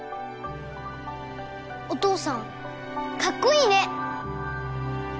お父さんかっこいいね！